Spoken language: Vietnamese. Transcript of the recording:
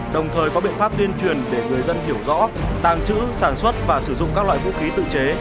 đồng thời có biện pháp tuyên truyền để người dân hiểu rõ tàng trữ sản xuất và sử dụng các loại vũ khí tự chế